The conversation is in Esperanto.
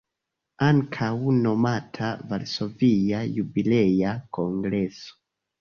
Ankaŭ nomata "Varsovia Jubilea Kongreso".